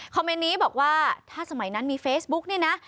เมนต์นี้บอกว่าถ้าสมัยนั้นมีเฟซบุ๊กเนี่ยนะ